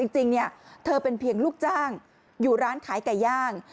จริงเธอเป็นเพียงลูกจ้างอยู่ร้านขายไก่ย่าง